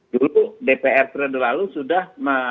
dulu dpr periode lalu sudah